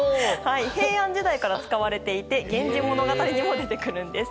平安時代から使われていて「源氏物語」にも出てくるんです。